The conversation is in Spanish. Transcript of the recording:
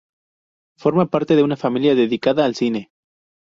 Forma parte de una familia dedicada al cine.